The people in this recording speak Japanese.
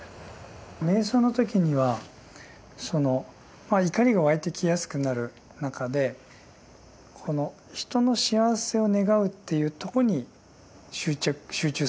瞑想の時には怒りが湧いてきやすくなる中で人の幸せを願うっていうとこに集中するっていうか